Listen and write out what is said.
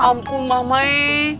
ya ampun mamai